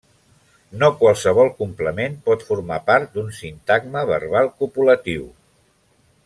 No qualsevol complement pot formar part d'un sintagma verbal copulatiu.